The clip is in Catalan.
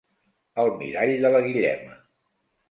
El mirall de la Guillema.